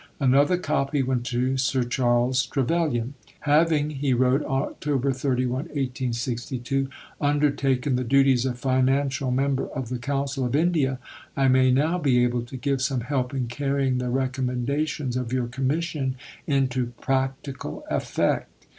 Another copy went to Sir Charles Trevelyan. "Having," he wrote (Oct. 31, 1862), "undertaken the duties of Financial Member of the Council of India, I may now be able to give some help in carrying the recommendations of your Commission into practical effect.